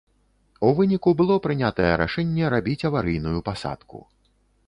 У выніку было прынятае рашэнне рабіць аварыйную пасадку.